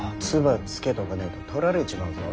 唾つけとかねえと取られちまうぞ。